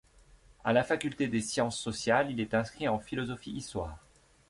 À la faculté des sciences sociales, il est inscrit en philosophie-histoire.